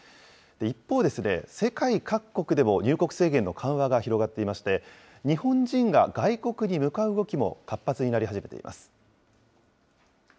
一方ですね、世界各国でも入国制限の緩和が広がっていまして、日本人が外国に向かう動きも活発になり始めています。